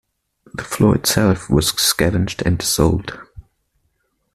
The floor itself was scavenged and sold.